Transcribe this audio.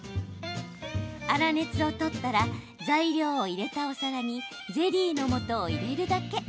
粗熱を取ったら材料を入れたお皿にゼリーのもとを入れるだけ。